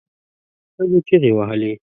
ښځو چیغې وهلې.